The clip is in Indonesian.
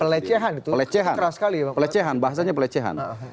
pelecehan itu keras sekali ya pak taufik pelecehan bahasanya pelecehan